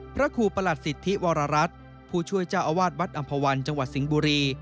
พระครูประหลัดสิทธิวรรัฐผู้ช่วยเจ้าอาวาสวัดอำภาวันจังหวัดสิงห์บุรี